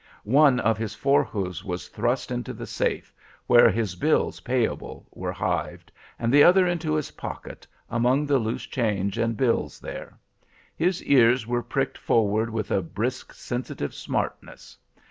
One of his fore hoofs was thrust into the safe, where his bills payable were hived, and the other into his pocket, among the loose change and bills there. His ears were pricked forward with a brisk, sensitive smartness.